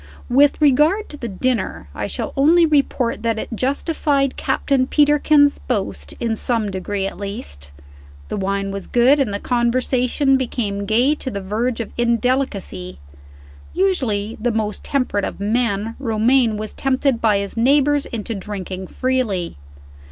With regard to the dinner, I shall only report that it justified Captain Peterkin's boast, in some degree at least. The wine was good, and the conversation became gay to the verge of indelicacy. Usually the most temperate of men, Romayne was tempted by his neighbors into drinking freely.